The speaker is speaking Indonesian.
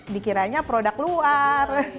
dikiranya produk luar